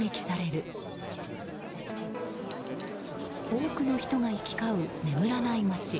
多くの人が行き交う眠らない街。